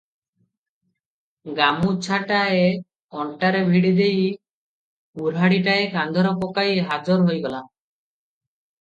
ଗାମୁଛାଟାଏ ଅଣ୍ଟାରେ ଭିଡ଼ିଦେଇ କୁରାଢ଼ୀଟାଏ କାନ୍ଧରେ ପକାଇ ହାଜର ହୋଇଗଲା ।